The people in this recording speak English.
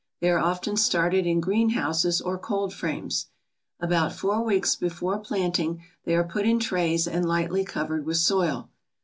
They are often started in greenhouses or cold frames. About four weeks before planting they are put in trays and lightly covered with soil.